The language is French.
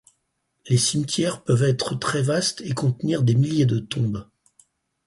Les cimetières peuvent être très vastes et contenir des milliers de tombes.